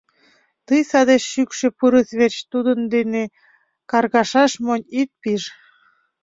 — Тый саде шӱкшӧ пырыс верч тудын дене каргашаш монь ит пиж.